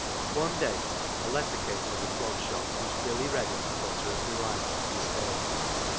One day a letter came to the Clog Shop which Billy read in a flutter of delight and dismay.